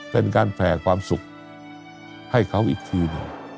เป็นการแผ่ความสุขให้เขาอีกทีหนึ่ง